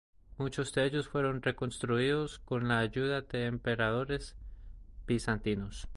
Muchos de ellos fueron reconstruidos con la ayuda de emperadores bizantinos.